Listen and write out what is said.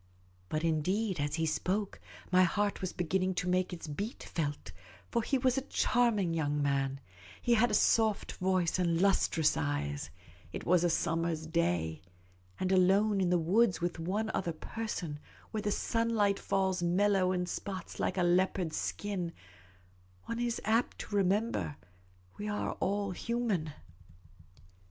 But indeed, as he spoke, my heart was beginning to make its beat felt ; for he was a charming young man ; he had a soft voice and lustrous eyes ; it was a summer's day ; and alone in the woods with one other per son, where the sunlight falls mellow in spots like a leopard's skin, one is apt to remember that we are all human.